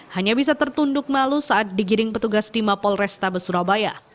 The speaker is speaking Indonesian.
hanya bisa tertunduk malu saat digiring petugas di mapol restabes surabaya